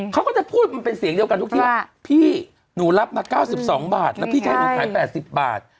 เขาก็จะพูดมันเป็นเสียงเดียวกันทุกที่ว่าพี่หนูรับมา๙๒บาทแล้วพี่จะให้หนูขาย๘๐บาท